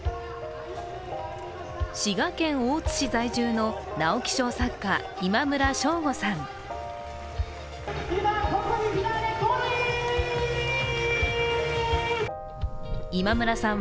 滋賀県大津市在住の直木賞作家・今村翔吾さん。